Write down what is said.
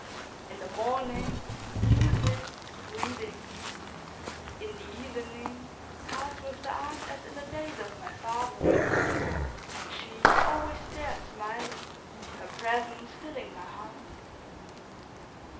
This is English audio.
In the morning, music, reading; in the evening, cards with the aunt as in the days of my father; and she, always there smiling, her presence filling my heart.